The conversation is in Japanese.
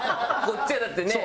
こっちはだってね。